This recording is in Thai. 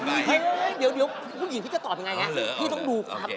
เฮ้ยเหยยเดี๋ยวผู้หญิงพี่ฟิกตอบจะยังไงพี่ต้องดูครับ